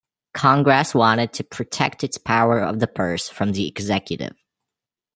Congress wanted to protect its power of the purse from the executive.